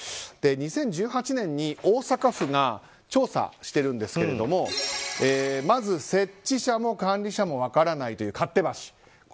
２０１８年に大阪府が調査してるんですがまず設置者も管理者も分からないという勝手橋。